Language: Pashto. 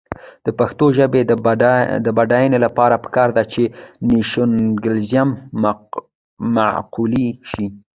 د پښتو ژبې د بډاینې لپاره پکار ده چې نیشنلېزم معقول شي.